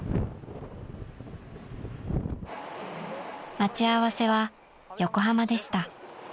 ［待ち合わせは横浜でした］